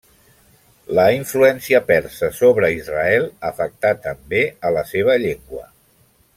La influència persa sobre Israel afectar també a la seva llengua.